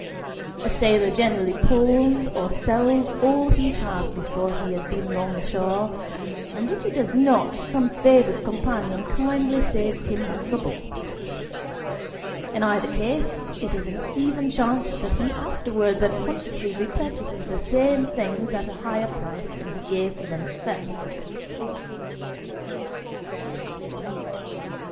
A sailor generally pawns or sells all he has before he has been long ashore, and if he does not, some favoured companion kindly saves him the trouble. In either case, it is an even chance that he afterwards unconsciously repurchases the same things at a higher price than he gave for them at first.